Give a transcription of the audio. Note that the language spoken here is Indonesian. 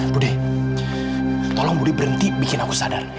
budhe tolong budhe berhenti bikin aku sadar